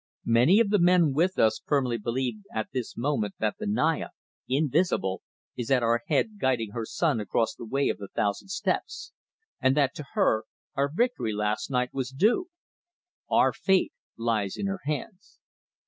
Many of the men with us firmly believe at this moment that the Naya, invisible, is at our head guiding her son across the Way of the Thousand Steps, and that to her our victory last night was due. Our fate lies in her hands."